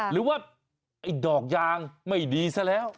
หรือว่าไอ้ดอกยางไม่ดีซะแล้ว